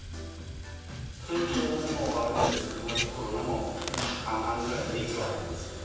天候もあるんですけども、コロナも半々ぐらいで影響はあります。